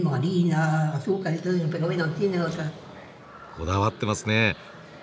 こだわってますね。